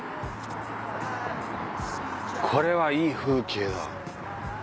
これはいい風景だ。